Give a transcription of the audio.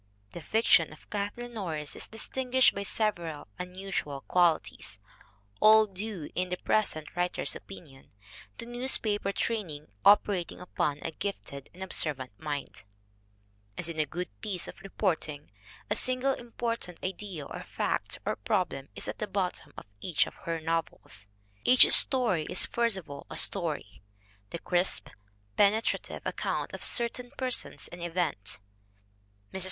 The fiction of Kathleen Norris is distin guished by several unusual qualities, all due, in the present writer's opinion, to newspaper training oper ating upon a gifted and observant mind: As in a good piece of reporting, a single important idea or fact or problem is at the bottom of each of her novels. Each story is first of all a story, the crisp, pene trative account of certain persons and events. Mrs.